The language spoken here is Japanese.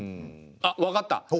あっ分かった！